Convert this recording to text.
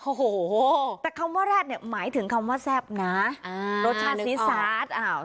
โอ้โหแต่คำว่าแรดเนี่ยหมายถึงคำว่าแซ่บนะรสชาติซีซาส